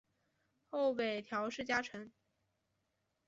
后北条氏家臣。